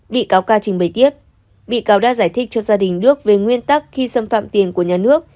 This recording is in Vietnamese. bị cáo ca trình bày tiếp bị cáo đã giải thích cho gia đình đức về nguyên tắc khi xâm phạm tiền của nhà nước